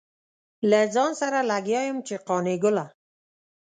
له ځان سره لګيا يم چې قانع ګله.